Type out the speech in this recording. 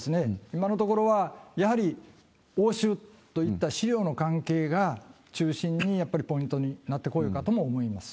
今のところは、やはり押収といった資料の関係が中心に、やっぱりポイントになってこようかとも思います。